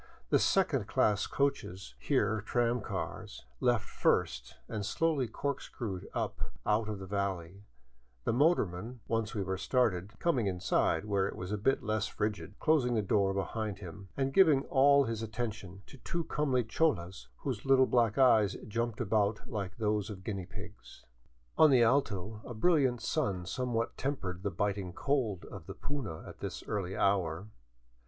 The second class coaches, here tramcars, left first, and slowly corkscrewed up out of the valley, the motorman, once we were started, coming inside where it was a bit less frigid, closing the door behind him, and giving all his attention to two comely cholas whose little black eyes jumped about like those of guinea pigs. On the " Alto " a brilliant sun somewhat tempered the biting cold of the puna at this early hour.